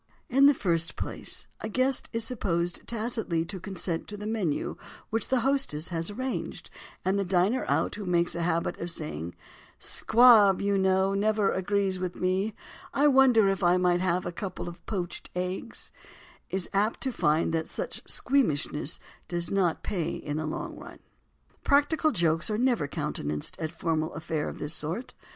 In the first place, a guest is supposed tacitly to consent to the menu which the hostess has arranged, and the diner out who makes a habit of saying "Squab, you know, never agrees with me—I wonder if I might have a couple of poached eggs," is apt to find that such squeamishness does not pay in the long run. Practical jokes are never countenanced at a formal affair of this sort.